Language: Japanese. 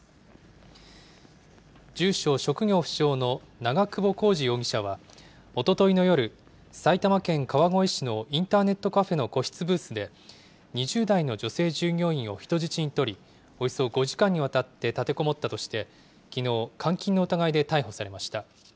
住所・職業不詳の長久保浩二容疑者はおとといの夜、埼玉県川越市のインターネットカフェの個室ブースで、２０代の女性従業員を人質にとり、およそ５時間にわたって立てこもったとして、きのう、監禁の疑いで逮捕されました。